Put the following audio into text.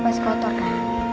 pasti kotor kah